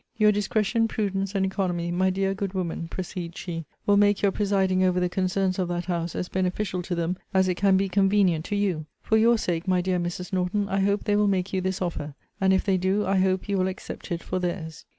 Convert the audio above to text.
Your discretion, prudence, and economy, my dear, good woman, proceeds she, will make your presiding over the concerns of that house as beneficial to them as it can be convenient to you. For your sake, my dear Mrs. Norton, I hope they will make you this offer. And if they do, I hope you will accept it for theirs.